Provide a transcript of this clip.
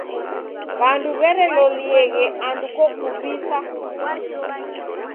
W'andu w'erelolieghe andu kokuvisa.